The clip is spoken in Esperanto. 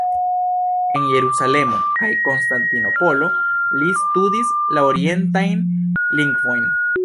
En Jerusalemo kaj Konstantinopolo li studis la orientajn lingvojn.